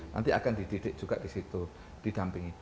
nanti akan dididik juga di situ didampingi